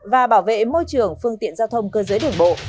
và bảo vệ môi trường phương tiện giao thông cơ giới đường bộ